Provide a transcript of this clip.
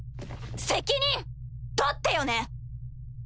責任取ってよね。